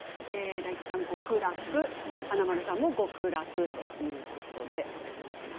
大吉さんも華丸さんも極楽ということで。